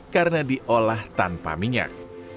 karena diolah tanpa minyak